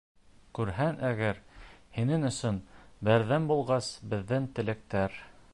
Күрһәң әгәр, һинең өсөн Берҙәм булғас беҙҙең теләктәр.